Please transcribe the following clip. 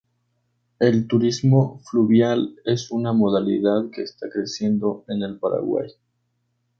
El turismo fluvial es una modalidad que está creciendo en el Paraguay.